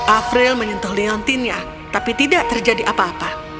afriel menyentuh liontinnya tapi tidak terjadi apa apa